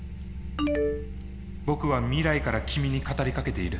僕は未来から君に語りかけている。